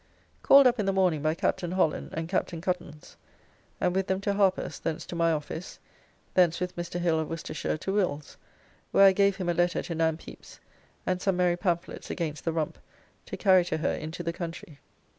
Called up in the morning by Captain Holland and Captain Cuttance, and with them to Harper's, thence to my office, thence with Mr. Hill of Worcestershire to Will's, where I gave him a letter to Nan Pepys, and some merry pamphlets against the Rump to carry to her into the country.